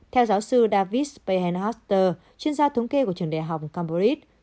theo giáo sư david speyhenhoster chuyên gia thống kê của trường đại học cambridge